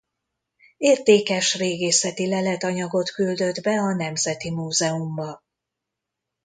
Értékes régészeti leletanyagot küldött be a Nemzeti Múzeumba.